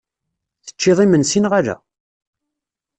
Teččiḍ imensi neɣ ala?